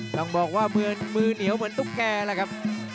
ต้องบอกว่ามือเหนียวเหมือนตุ๊กแกล่ะครับ